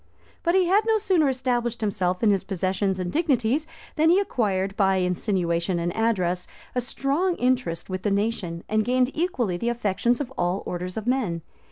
[] But he had no sooner established himself in his possessions and dignities, than he acquired, by insinuation and address, a strong interest with the nation, and gained equally the affections of all orders of men.